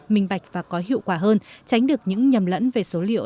minh bạch và có hiệu quả hơn tránh được những nhầm lẫn về số liệu